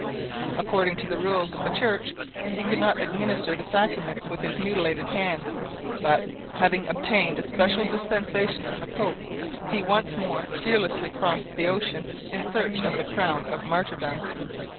According to the rules of the Church he could not administer the sacraments with his mutilated hands; but, having obtained a special dispensation from the Pope, he once more fearlessly crossed the ocean, in search of the crown of martyrdom.